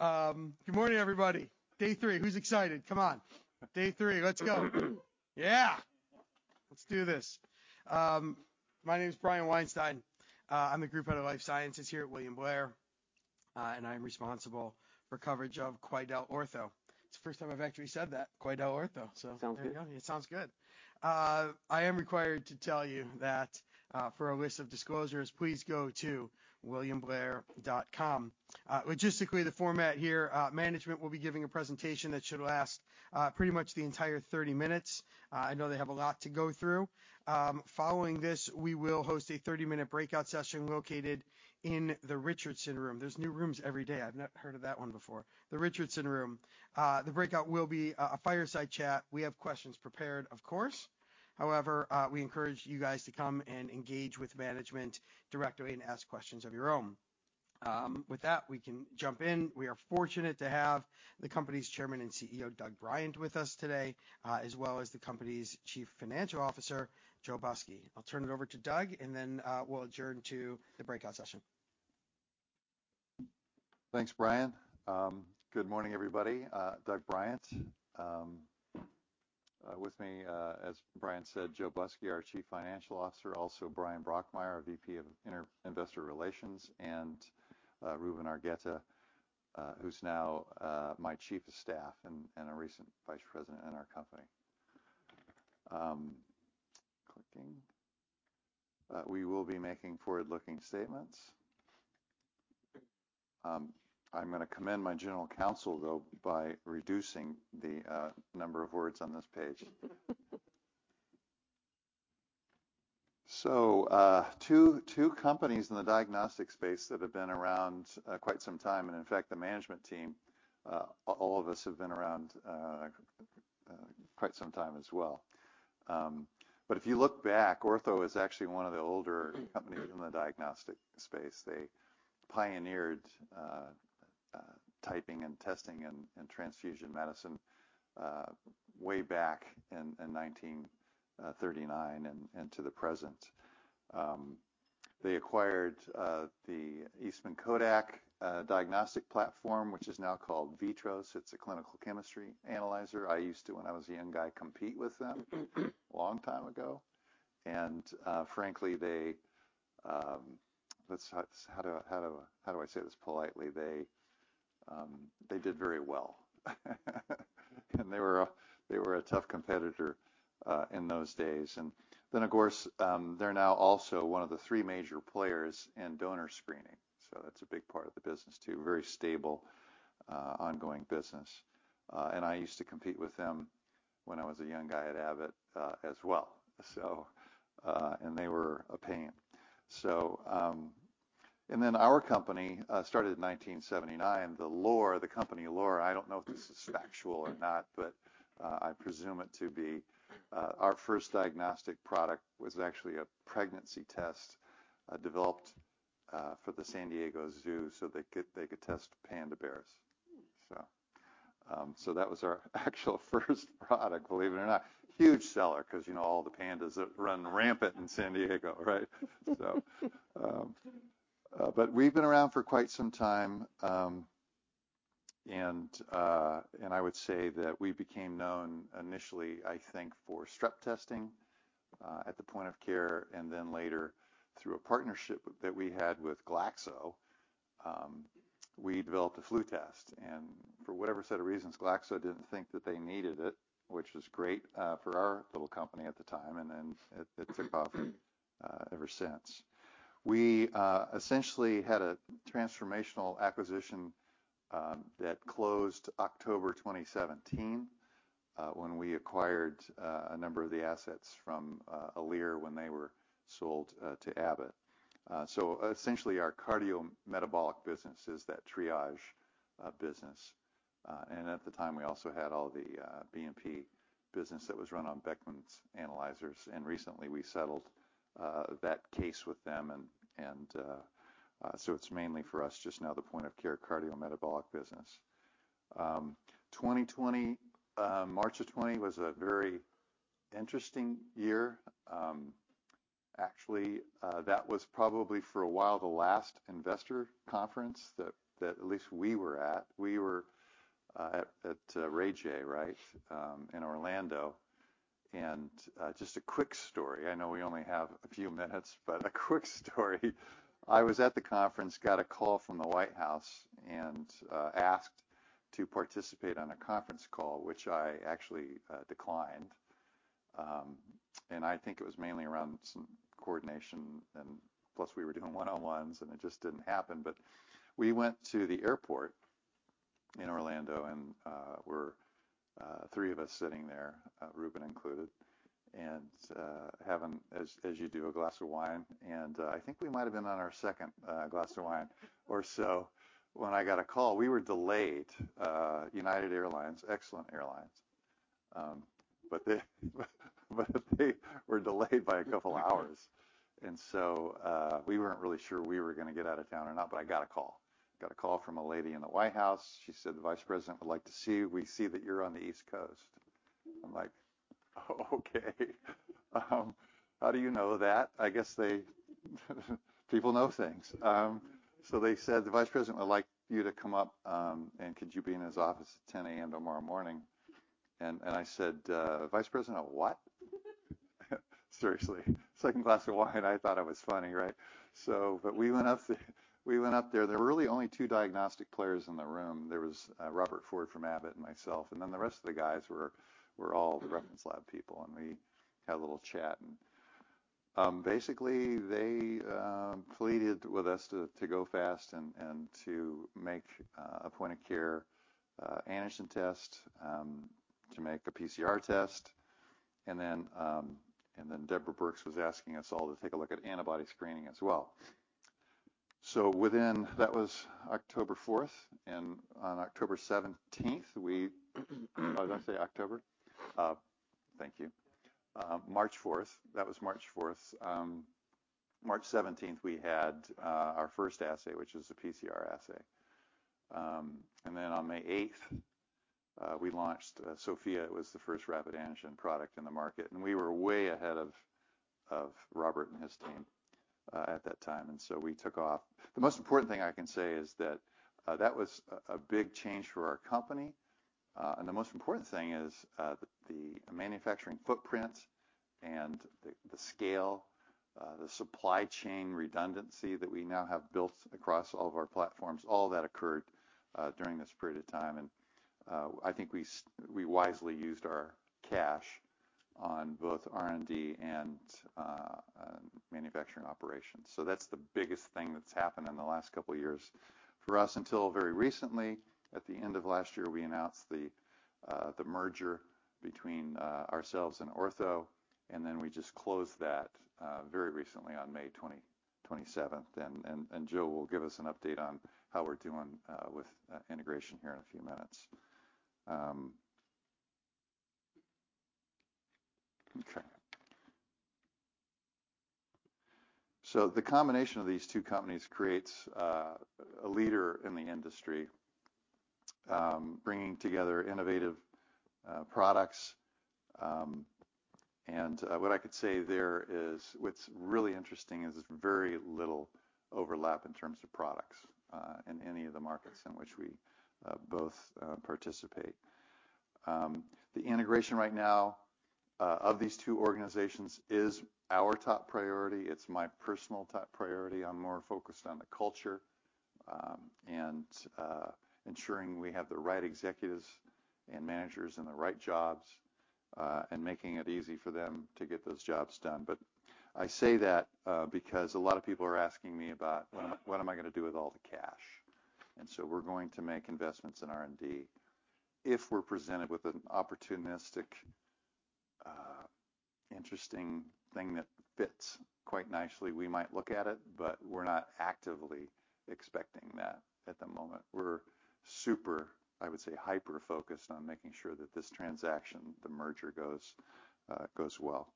Good morning, everybody. Day three. Who's excited? Come on. Day three. Let's go. Yeah. Let's do this. My name is Brian Weinstein. I'm a Group Head of Life Sciences here at William Blair, and I'm responsible for coverage of QuidelOrtho. It's the first time I've actually said that, QuidelOrtho. Sounds good. There you go. It sounds good. I am required to tell you that, for a list of disclosures, please go to williamblair.com. Logistically, the format here, management will be giving a presentation that should last, pretty much the entire 30 minutes. I know they have a lot to go through. Following this, we will host a 30-minute breakout session located in the Richardson room. There's new rooms every day. I've not heard of that one before. The Richardson room. The breakout will be a fireside chat. We have questions prepared, of course. However, we encourage you guys to come and engage with management directly and ask questions of your own. With that, we can jump in. We are fortunate to have the company's Chairman and CEO, Doug Bryant, with us today, as well as the company's Chief Financial Officer, Joe Busky. I'll turn it over to Doug, and then, we'll adjourn to the breakout session. Thanks, Brian. Good morning, everybody. Doug Bryant. With me, as Brian said, Joe Busky, our Chief Financial Officer. Also, Brian Blaser, our VP of Investor Relations, and Ruben Argueta, who's now my Chief of Staff and a recent Vice President in our company. We will be making forward-looking statements. I'm gonna commend my general counsel, though, by reducing the number of words on this page. Two companies in the diagnostic space that have been around quite some time, and in fact, the management team, all of us have been around quite some time as well. If you look back, Ortho is actually one of the older companies in the diagnostic space. They pioneered typing and testing and transfusion medicine way back in 1939 and to the present. They acquired the Eastman Kodak diagnostic platform, which is now called VITROS. It's a clinical chemistry analyzer. I used to, when I was a young guy, compete with them a long time ago. Frankly, they. How do I say this politely? They did very well. They were a tough competitor in those days. Of course, they're now also one of the three major players in donor screening. That's a big part of the business too, very stable, ongoing business. I used to compete with them when I was a young guy at Abbott, as well, and they were a pain. Our company started in 1979. The company lore, I don't know if this is factual or not, but I presume it to be. Our first diagnostic product was actually a pregnancy test developed for the San Diego Zoo so they could test panda bears. That was our actual first product, believe it or not. Huge seller because, you know, all the pandas that run rampant in San Diego, right? We've been around for quite some time. I would say that we became known initially, I think, for strep testing at the point of care, and then later through a partnership that we had with Glaxo, we developed a flu test. For whatever set of reasons, Glaxo didn't think that they needed it, which was great for our little company at the time, and then it took off ever since. We essentially had a transformational acquisition that closed October 2017, when we acquired a number of the assets from Alere when they were sold to Abbott. Essentially, our cardiometabolic business is that Triage business. At the time, we also had all the BNP business that was run on Beckman's analyzers. Recently we settled that case with them, so it's mainly for us just now the point-of-care cardiometabolic business. 2020, March of 2020 was a very interesting year. Actually, that was probably for a while the last investor conference that at least we were at. We were at Raymond James, right? In Orlando. Just a quick story. I know we only have a few minutes, but a quick story. I was at the conference, got a call from the White House, and asked to participate on a conference call, which I actually declined. I think it was mainly around some coordination and plus we were doing one-on-ones, and it just didn't happen. We went to the airport in Orlando, and we're three of us sitting there, Ruben included, and having, as you do, a glass of wine. I think we might have been on our second glass of wine or so when I got a call. We were delayed. United Airlines, excellent airlines. They were delayed by a couple hours. We weren't really sure we were gonna get out of town or not, but I got a call. Got a call from a lady in the White House. She said the vice president would like to see you. We see that you're on the East Coast. I'm like, okay. How do you know that? I guess they. People know things. They said, "The vice president would like you to come up, and could you be in his office at 10:00 A.M. tomorrow morning?" I said, "Vice president of what?" Seriously. Second glass of wine, I thought I was funny, right? We went up there. There were really only two diagnostic players in the room. There was Robert B. Ford from Abbott, and myself, and then the rest of the guys were all the reference lab people. We had a little chat. Basically they pleaded with us to go fast and to make a point-of-care antigen test to make a PCR test. Deborah Birx was asking us all to take a look at antibody screening as well. Within... That was March 4th. March 17th we had our first assay, which was a PCR assay. Then on May 8th, we launched Sofia. It was the first rapid antigen product in the market. We were way ahead of Robert Ford and his team at that time, so we took off. The most important thing I can say is that that was a big change for our company. The most important thing is the manufacturing footprint and the scale, the supply chain redundancy that we now have built across all of our platforms, all that occurred during this period of time. I think we wisely used our cash on both R&D and manufacturing operations. That's the biggest thing that's happened in the last couple years for us, until very recently. At the end of last year, we announced the merger between ourselves and Ortho, and then we just closed that very recently on May 27. Joe will give us an update on how we're doing with integration here in a few minutes. The combination of these two companies creates a leader in the industry, bringing together innovative products. What I could say there is what's really interesting is there's very little overlap in terms of products in any of the markets in which we both participate. The integration right now of these two organizations is our top priority. It's my personal top priority. I'm more focused on the culture and ensuring we have the right executives and managers in the right jobs and making it easy for them to get those jobs done. I say that because a lot of people are asking me about what am I gonna do with all the cash. We're going to make investments in R&D. If we're presented with an opportunistic interesting thing that fits quite nicely, we might look at it, but we're not actively expecting that at the moment. We're super, I would say hyper-focused on making sure that this transaction, the merger, goes well.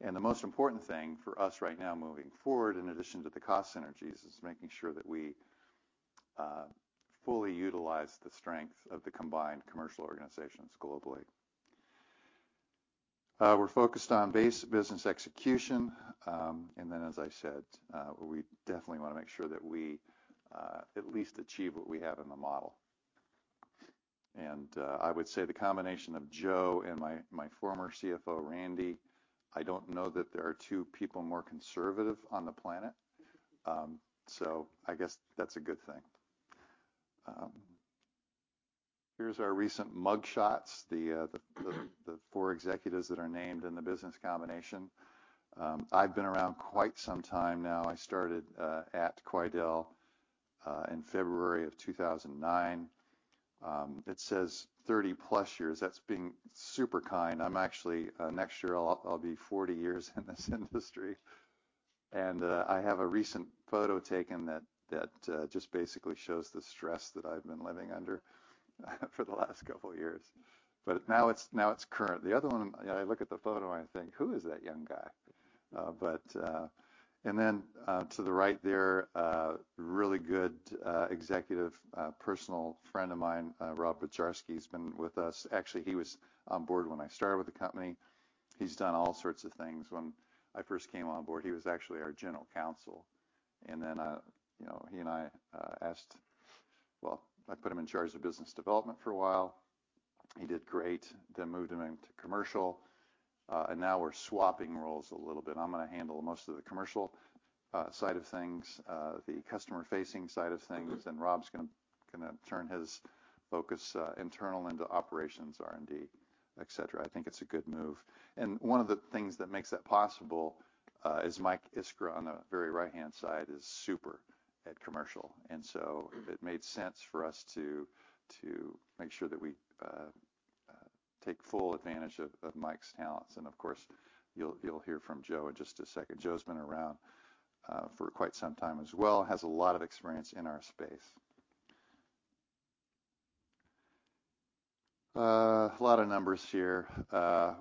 The most important thing for us right now moving forward, in addition to the cost synergies, is making sure that we fully utilize the strength of the combined commercial organizations globally. We're focused on base business execution. As I said, we definitely wanna make sure that we at least achieve what we have in the model. I would say the combination of Joe and my former CFO, Randy. I don't know that there are two people more conservative on the planet. I guess that's a good thing. Here's our recent mugshots, the four executives that are named in the business combination. I've been around quite some time now. I started at Quidel in February of 2009. It says 30+ years. That's being super kind. I'm actually next year I'll be 40 years in this industry. I have a recent photo taken that just basically shows the stress that I've been living under for the last couple years. Now it's current. The other one, I look at the photo and I think, "Who is that young guy?" To the right there, really good executive personal friend of mine, Rob Bujarski. He's been with us. Actually, he was on board when I started with the company. He's done all sorts of things. When I first came on board, he was actually our general counsel. You know, well, I put him in charge of business development for a while. He did great. Then moved him into commercial. Now we're swapping roles a little bit. I'm gonna handle most of the commercial side of things, the customer-facing side of things, and Rob's gonna turn his focus internal into operations, R&D, et cetera. I think it's a good move. One of the things that makes that possible is Mike Iskra, on the very right-hand side, is super at commercial. It made sense for us to make sure that we take full advantage of Mike's talents. Of course, you'll hear from Joe in just a second. Joe's been around for quite some time as well. Has a lot of experience in our space. A lot of numbers here.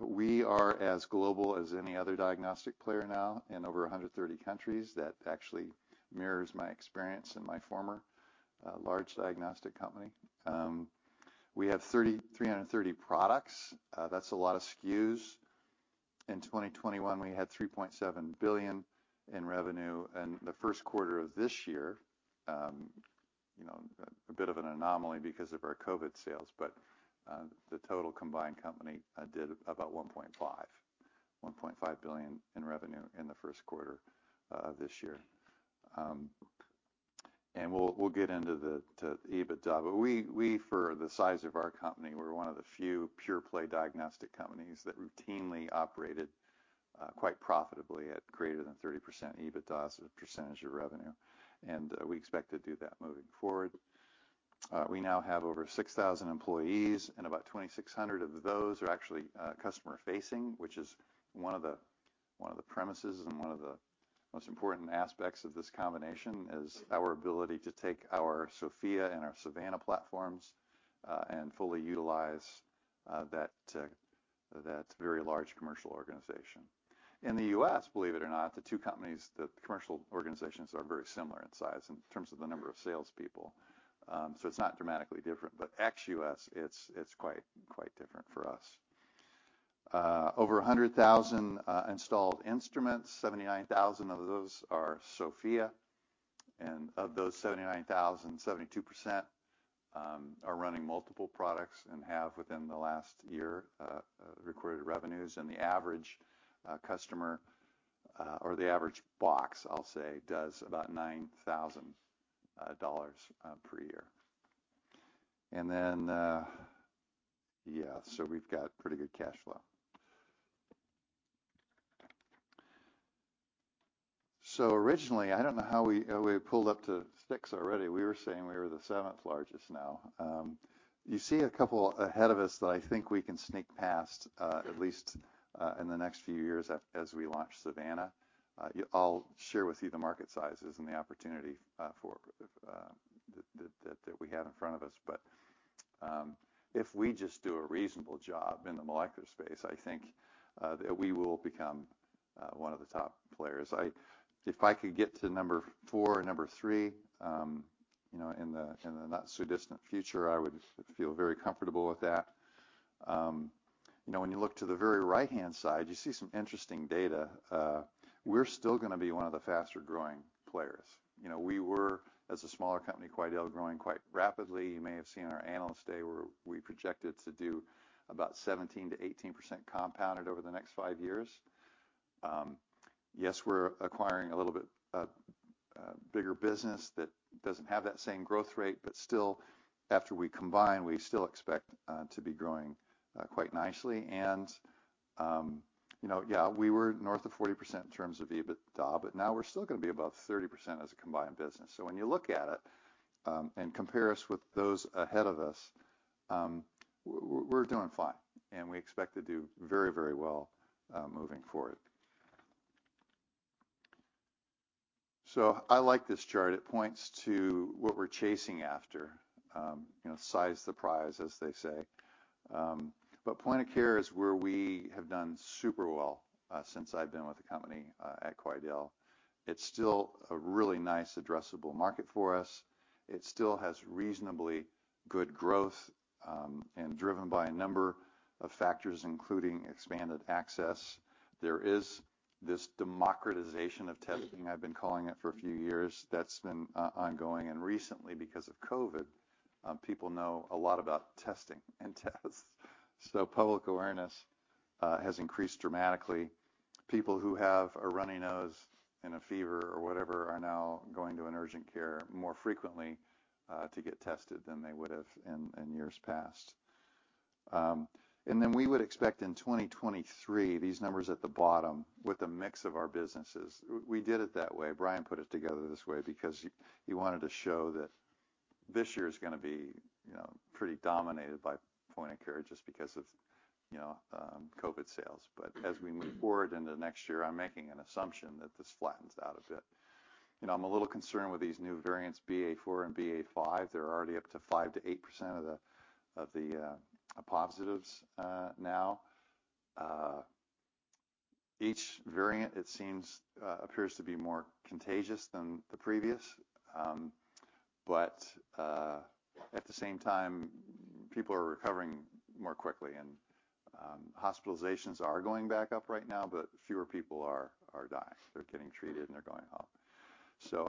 We are as global as any other diagnostic player now, in over 130 countries. That actually mirrors my experience in my former large diagnostic company. We have 330 products. That's a lot of SKUs. In 2021, we had $3.7 billion in revenue. The first quarter of this year, you know, a bit of an anomaly because of our COVID sales, but the total combined company did about $1.5 billion in revenue in the first quarter of this year. We'll get into the EBITDA. We, for the size of our company, we're one of the few pure play diagnostic companies that routinely operated quite profitably at greater than 30% EBITDA as a percentage of revenue, and we expect to do that moving forward. We now have over 6,000 employees, and about 2,600 of those are actually customer-facing, which is one of the premises and one of the most important aspects of this combination is our ability to take our Sofia and our Savanna platforms and fully utilize that very large commercial organization. In the U.S., believe it or not, the two companies, the commercial organizations are very similar in size in terms of the number of salespeople. It's not dramatically different, but ex-U.S., it's quite different for us. Over 100,000 installed instruments. 79,000 of those are Sofia, and of those 79,000, 72% are running multiple products and have within the last year recorded revenues. The average customer or the average box, I'll say, does about $9,000 per year. We've got pretty good cash flow. Originally, I don't know how we pulled up to six already. We were saying we were the seventh largest now. You see a couple ahead of us that I think we can sneak past, at least, in the next few years as we launch Savanna. I'll share with you the market sizes and the opportunity, for that we have in front of us. If we just do a reasonable job in the molecular space, I think that we will become one of the top players. If I could get to number four or number three, you know, in the not-so-distant future, I would feel very comfortable with that. You know, when you look to the very right-hand side, you see some interesting data. We're still gonna be one of the faster-growing players. You know, we were, as a smaller company, Quidel growing quite rapidly. You may have seen our Analyst Day where we projected to do about 17%-18% compounded over the next five years. Yes, we're acquiring a little bit bigger business that doesn't have that same growth rate, but still, after we combine, we still expect to be growing quite nicely. You know, yeah, we were north of 40% in terms of EBITDA, but now we're still gonna be above 30% as a combined business. When you look at it, and compare us with those ahead of us, we're doing fine, and we expect to do very, very well, moving forward. I like this chart. It points to what we're chasing after. You know, size the prize, as they say. Point of care is where we have done super well, since I've been with the company, at Quidel. It's still a really nice addressable market for us. It still has reasonably good growth, and driven by a number of factors, including expanded access. There is this democratization of testing, I've been calling it for a few years, that's been ongoing. Recently, because of COVID, people know a lot about testing and tests. Public awareness has increased dramatically. People who have a runny nose and a fever or whatever are now going to an urgent care more frequently to get tested than they would have in years past. We would expect in 2023, these numbers at the bottom with a mix of our businesses. We did it that way. Brian put it together this way because he wanted to show that this year's gonna be, you know, pretty dominated by point of care just because of, you know, COVID sales. As we move forward into next year, I'm making an assumption that this flattens out a bit. You know, I'm a little concerned with these new variants, BA.4 and BA.5. They're already up to 5%-8% of the positives now. Each variant, it seems, appears to be more contagious than the previous. At the same time, people are recovering more quickly, and hospitalizations are going back up right now, but fewer people are dying. They're getting treated, and they're going home.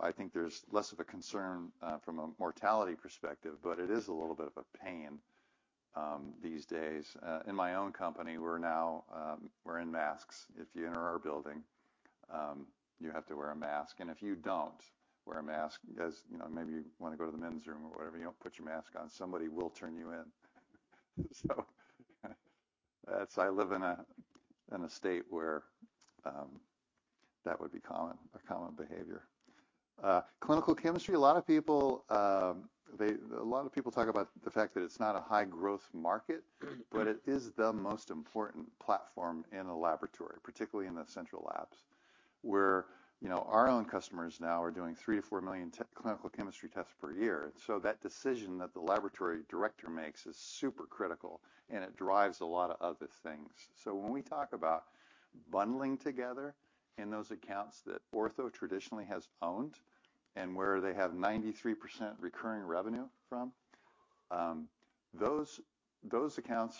I think there's less of a concern from a mortality perspective, but it is a little bit of a pain these days. In my own company, we're now wearing masks. If you enter our building, you have to wear a mask. If you don't wear a mask, as you know, maybe you wanna go to the men's room or whatever, you don't put your mask on, somebody will turn you in. That's I live in a state where that would be common behavior. Clinical chemistry, a lot of people talk about the fact that it's not a high-growth market, but it is the most important platform in a laboratory, particularly in the central labs, where, you know, our own customers now are doing 3-4 million clinical chemistry tests per year. That decision that the laboratory director makes is super critical, and it drives a lot of other things. When we talk about bundling together in those accounts that Ortho traditionally has owned and where they have 93% recurring revenue from those accounts,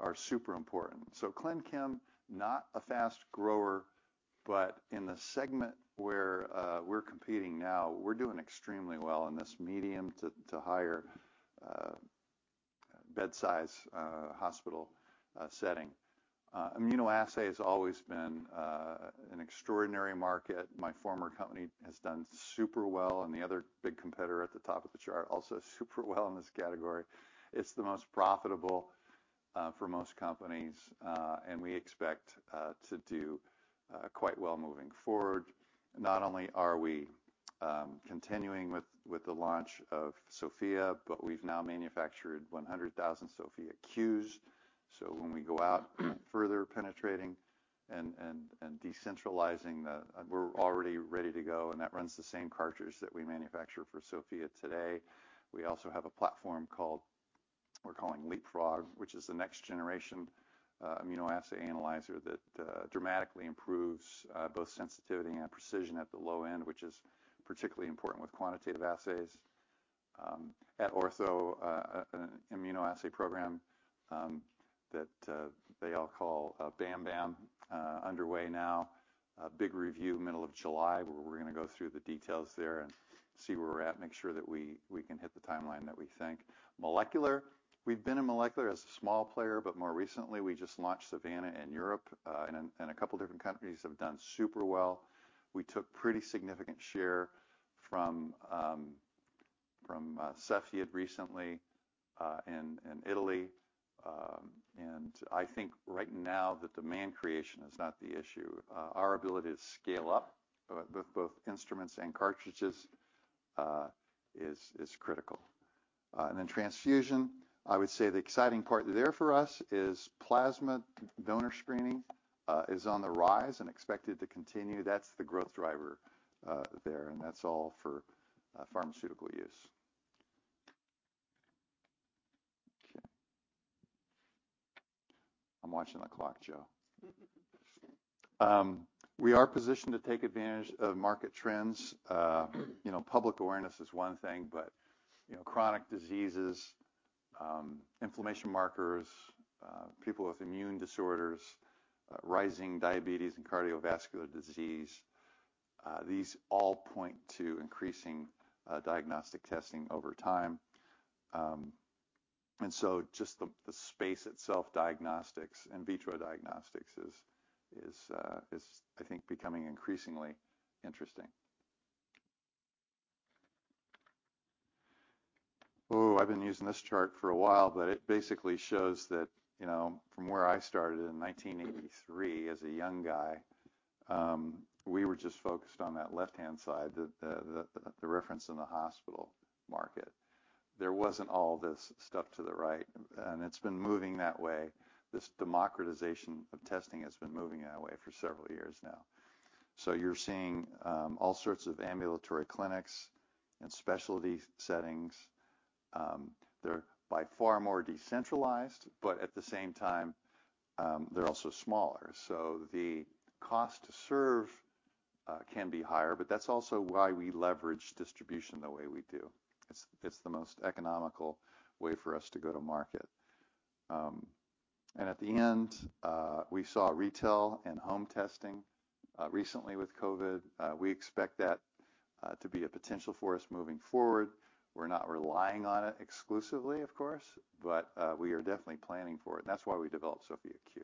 are super important. ClinChem, not a fast grower, but in the segment where we're competing now, we're doing extremely well in this medium to higher bed size hospital setting. Immunoassay has always been an extraordinary market. My former company has done super well, and the other big competitor at the top of the chart, also super well in this category. It's the most profitable for most companies, and we expect to do quite well moving forward. Not only are we continuing with the launch of Sofia, but we've now manufactured 100,000 Sofia Qs, so when we go out further penetrating and decentralizing. We're already ready to go, and that runs the same cartridge that we manufacture for Sofia today. We also have a platform we're calling Leapfrog, which is the next generation immunoassay analyzer that dramatically improves both sensitivity and precision at the low end, which is particularly important with quantitative assays. At Ortho, an immunoassay program that they all call Bam Bam underway now. A big review middle of July, where we're gonna go through the details there and see where we're at, make sure that we can hit the timeline that we think. Molecular. We've been in molecular as a small player, but more recently, we just launched Savanna in Europe, in a couple different countries. Have done super well. We took pretty significant share from Cepheid recently, in Italy. I think right now the demand creation is not the issue. Our ability to scale up both instruments and cartridges is critical. Then transfusion, I would say the exciting part there for us is plasma donor screening is on the rise and expected to continue. That's the growth driver, there, and that's all for pharmaceutical use. Okay. I'm watching the clock, Joe. We are positioned to take advantage of market trends. You know, public awareness is one thing, but you know, chronic diseases, inflammation markers, people with immune disorders, rising diabetes and cardiovascular disease, these all point to increasing diagnostic testing over time. Just the space itself, diagnostics, in vitro diagnostics is I think becoming increasingly interesting. I've been using this chart for a while, but it basically shows that you know, from where I started in 1983 as a young guy, we were just focused on that left-hand side, the reference in the hospital market. There wasn't all this stuff to the right, and it's been moving that way. This democratization of testing has been moving that way for several years now. You're seeing all sorts of ambulatory clinics and specialty settings. They're by far more decentralized, but at the same time, they're also smaller. The cost to serve can be higher, but that's also why we leverage distribution the way we do. It's the most economical way for us to go to market. At the end, we saw retail and home testing recently with COVID. We expect that to be a potential for us moving forward. We're not relying on it exclusively, of course, but we are definitely planning for it. That's why we developed Sofia Q.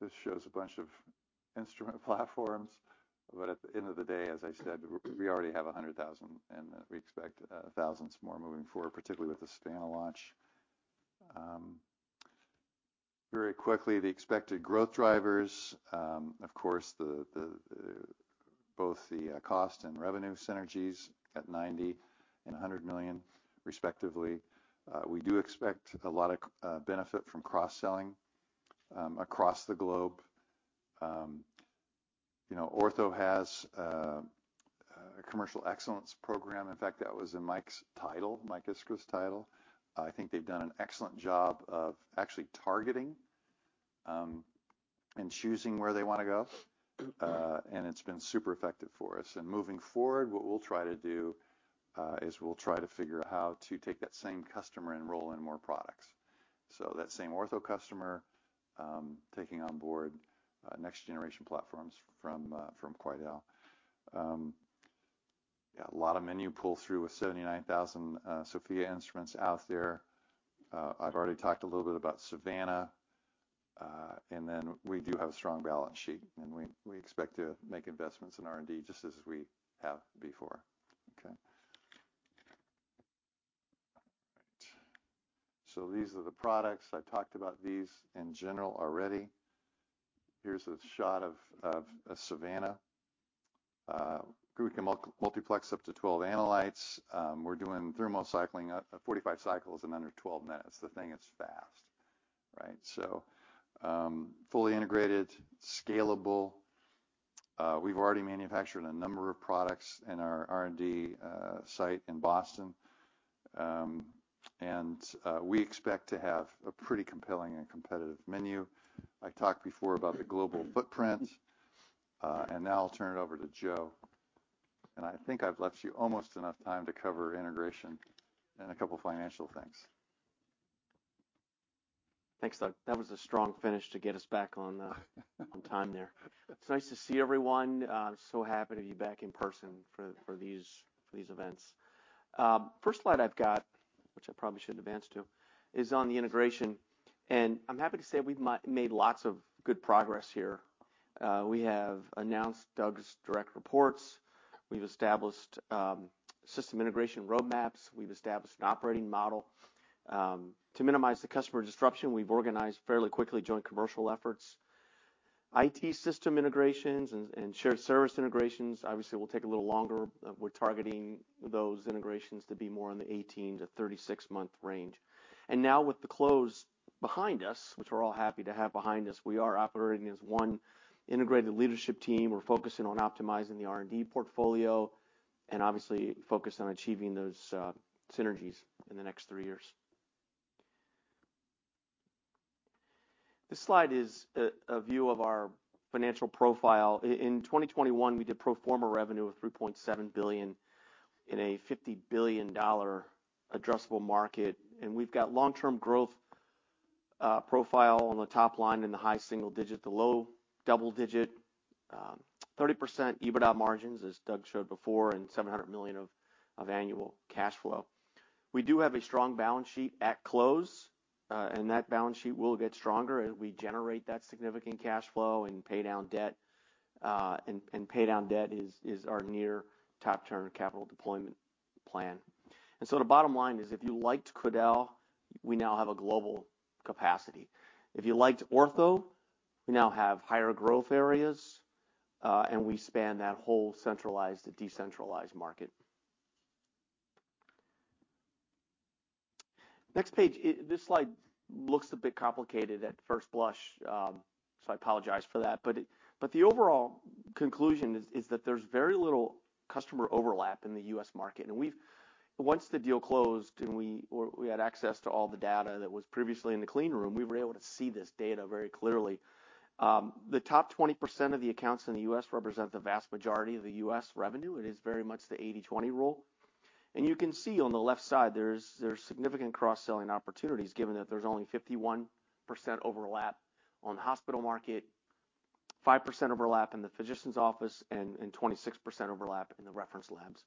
This shows a bunch of instrument platforms, but at the end of the day, as I said, we already have 100,000, and we expect thousands more moving forward, particularly with the Savanna launch. Very quickly, the expected growth drivers, of course, both the cost and revenue synergies at $90 million and $100 million respectively. We do expect a lot of benefit from cross-selling across the globe. You know, Ortho has a commercial excellence program. In fact, that was in Mike's title, Mike Iskra's title. I think they've done an excellent job of actually targeting and choosing where they wanna go, and it's been super effective for us. Moving forward, what we'll try to do is we'll try to figure out how to take that same customer and roll in more products. That same Ortho customer taking on board next generation platforms from Quidel. A lot of menu pull through with 79,000 Sofia instruments out there. I've already talked a little bit about Savanna. We do have a strong balance sheet, and we expect to make investments in R&D just as we have before. These are the products. I've talked about these in general already. Here's a shot of a Savanna. We can multiplex up to 12 analytes. We're doing thermo cycling at 45 cycles in under 12 minutes. The thing is fast, right? Fully integrated, scalable. We've already manufactured a number of products in our R&D site in Boston. We expect to have a pretty compelling and competitive menu. I talked before about the global footprint, now I'll turn it over to Joe. I think I've left you almost enough time to cover integration and a couple financial things. Thanks, Doug. That was a strong finish to get us back on time there. It's nice to see everyone. So happy to be back in person for these events. First slide I've got, which I probably should advance to, is on the integration. I'm happy to say we've made lots of good progress here. We have announced Doug's direct reports. We've established system integration roadmaps. We've established an operating model. To minimize the customer disruption, we've organized fairly quickly joint commercial efforts. IT system integrations and shared service integrations obviously will take a little longer. We're targeting those integrations to be more in the 18- to 36-month range. Now with the close behind us, which we're all happy to have behind us, we are operating as one integrated leadership team. We're focusing on optimizing the R&D portfolio and obviously focused on achieving those synergies in the next three years. This slide is a view of our financial profile. In 2021, we did pro forma revenue of $3.7 billion in a $50 billion addressable market. We've got long-term growth profile on the top line in the high single digit to low double digit. 30% EBITDA margins, as Doug showed before, and $700 million of annual cash flow. We do have a strong balance sheet at close, and that balance sheet will get stronger as we generate that significant cash flow and pay down debt. Pay down debt is our near-term capital deployment plan. The bottom line is if you liked Quidel, we now have a global capacity. If you liked Ortho, we now have higher growth areas, and we span that whole centralized to decentralized market. Next page. This slide looks a bit complicated at first blush, so I apologize for that. But the overall conclusion is that there's very little customer overlap in the U.S. market. Once the deal closed and we had access to all the data that was previously in the clean room, we were able to see this data very clearly. The top 20% of the accounts in the U.S. represent the vast majority of the U.S. revenue. It is very much the 80/20 rule. You can see on the left side, there's significant cross-selling opportunities given that there's only 51% overlap on the hospital market, 5% overlap in the physician's office, and 26% overlap in the reference labs.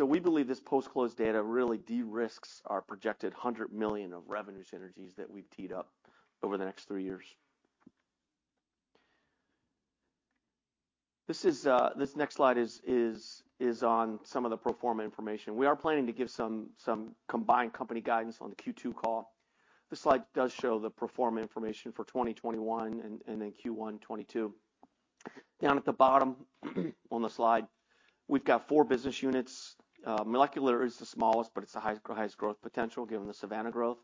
We believe this post-close data really de-risks our projected $100 million of revenue synergies that we've teed up over the next three years. This next slide is on some of the pro forma information. We are planning to give some combined company guidance on the Q2 call. This slide does show the pro forma information for 2021 and then Q1 2022. Down at the bottom on the slide, we've got four business units. Molecular is the smallest, but it's the highest growth potential given the Savanna growth.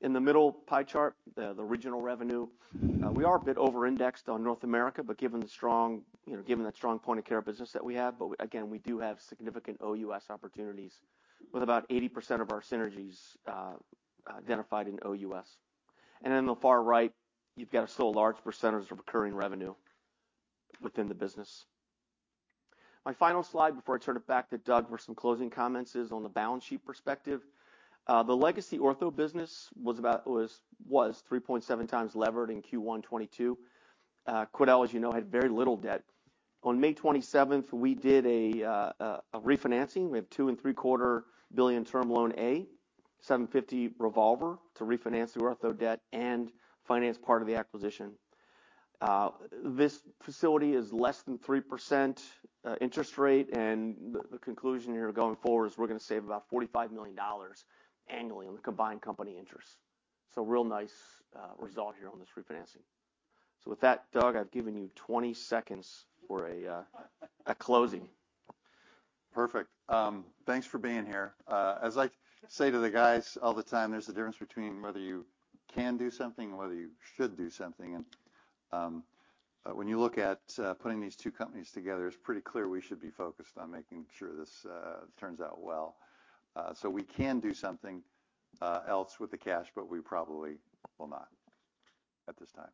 In the middle pie chart, the regional revenue. We are a bit over-indexed on North America, but given the strong, you know, given that strong point-of-care business that we have, but we again, we do have significant OUS opportunities with about 80% of our synergies identified in OUS. In the far right, you've got a still large percentage of recurring revenue within the business. My final slide before I turn it back to Doug for some closing comments is on the balance sheet perspective. The legacy Ortho business was about 3.7x levered in Q1 2022. Quidel, as you know, had very little debt. On May 27, we did a refinancing. We have $2.75 billion term loan A, $750 million revolver to refinance the Ortho debt and finance part of the acquisition. This facility is less than 3% interest rate, and the conclusion here going forward is we're gonna save about $45 million annually on the combined company interest. Real nice result here on this refinancing. With that, Doug, I've given you 20 seconds for a closing. Perfect. Thanks for being here. As I say to the guys all the time, there's a difference between whether you can do something and whether you should do something. When you look at putting these two companies together, it's pretty clear we should be focused on making sure this turns out well. We can do something else with the cash, but we probably will not at this time.